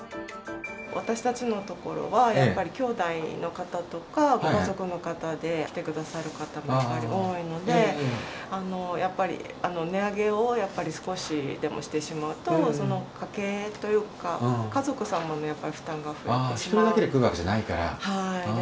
私たちのところは、やっぱりきょうだいの方とか、ご家族の方で来てくださる方がやっぱり多いので、やっぱり値上げを少しでもしてしまうと、その家計というか、家族様の負担が増えてしまうので。